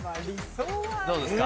どうですか？